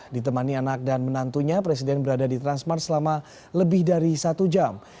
ditemani anak dan menantunya presiden berada di transmart selama lebih dari satu jam